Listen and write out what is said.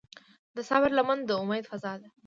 د صبر لمن د امید فضا ده.